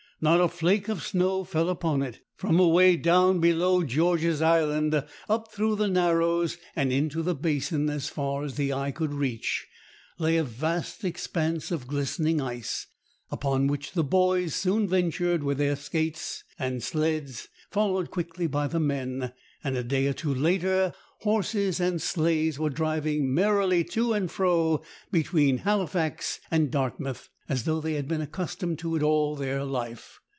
Not a flake of snow fell upon it. From away down below George's Island, up through the Narrows, and into the Basin, as far as the eye could reach, lay a vast expanse of glistening ice, upon which the boys soon ventured with their skates and sleds, followed quickly by the men, and a day or two later horses and sleighs were driving merrily to and fro between Halifax and Dartmouth, as though they had been accustomed to it all their life.